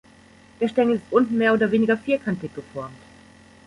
Der Stängel ist unten mehr oder weniger vierkantig geformt.